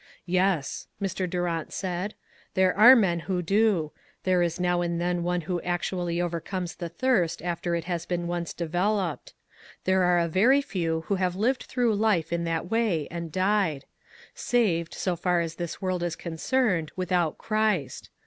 "Yes," Mr. Durant said, "there are men Who do; there is now and then one who actually overcomes the thirst after it has been once developed. There are a very few who have lived through life in that way and died ; saved, so far as this world is concerned, without Christ.